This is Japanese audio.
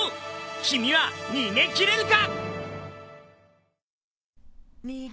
君は逃げ切れるか！？